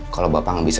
kalau bapak gak bisa